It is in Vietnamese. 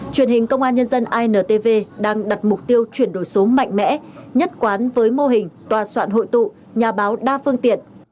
truyền hình công an nhân dân intv đang đặt mục tiêu chuyển đổi số mạnh mẽ nhất quán với mô hình tòa soạn hội tụ nhà báo đa phương tiện